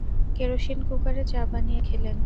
Kerosene কুকারে চা বানিয়ে খেলেন।